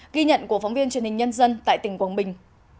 ghi nhận của phóng viên truyền hình nhân dân tại tỉnh quảng bình